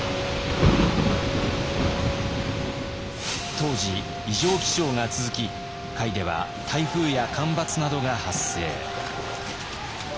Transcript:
当時異常気象が続き甲斐では台風や干ばつなどが発生。